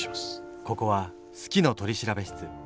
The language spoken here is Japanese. ここは「好きの取調室」。